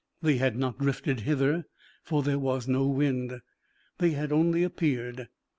They had not drifted hither, for there was no wind. They had only appeared.